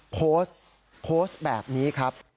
โพสต์แบบนี้ครับ